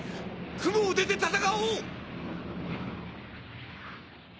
雲を出て戦おう！